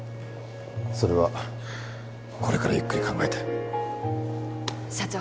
それはこれからゆっくり考えて社長